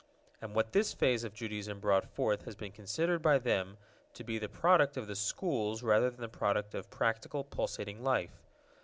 And what this phase of Judaism brought forth has been considered by them to be the product of the schools rather than the product of practical, pulsating life.